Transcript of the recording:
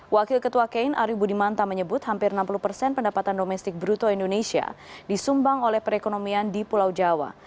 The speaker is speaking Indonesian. wakil ketua kein ari budimanta menyebut hampir enam puluh persen pendapatan domestik bruto indonesia disumbang oleh perekonomian di pulau jawa